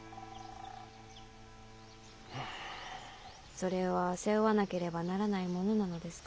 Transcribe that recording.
それは背負わなければならないものなのですか？